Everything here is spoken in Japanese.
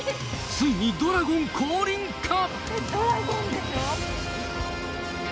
ついにドラゴン降臨か！？